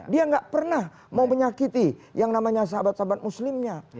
dia nggak pernah mau menyakiti yang namanya sahabat sahabat muslimnya